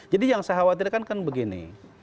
jadi yang saya khawatirkan kan begini